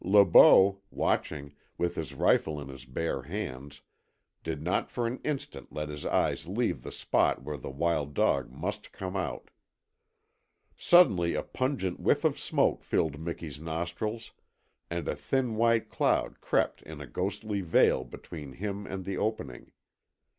Le Beau, watching, with his rifle in his bare hands, did not for an instant let his eyes leave the spot where the wild dog must come out. Suddenly a pungent whiff of smoke filled Miki's nostrils, and a thin white cloud crept in a ghostly veil between him and the opening.